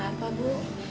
gak apa apa bu